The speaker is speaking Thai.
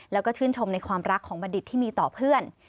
แล้วก็ชื่นชมในความรักของบัณฑิตที่มีต่อเพื่อน